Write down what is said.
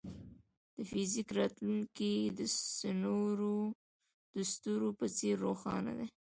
د فزیک راتلونکی د ستورو په څېر روښانه دی.